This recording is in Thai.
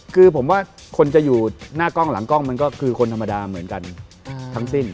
คือผมว่าคนจะอยู่หน้ากล้องหลังกล้องมันก็คือคนธรรมดาเหมือนกันทั้งสิ้น